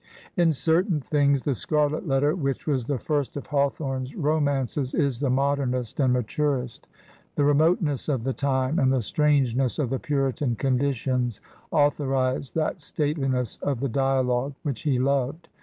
. In certain things "The Scarlet Letter,'' which was the first of Hawthorne's romances^ is the modemest and maturest. The remoteness of the time and the strange ness of the Puritan conditions authorize that stateliness of the dialogue which he loved.